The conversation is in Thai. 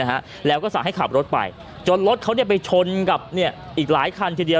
นะฮะแล้วก็สั่งให้ขับรถไปจนรถเขาเนี่ยไปชนกับเนี่ยอีกหลายคันทีเดียว